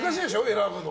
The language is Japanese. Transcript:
選ぶの。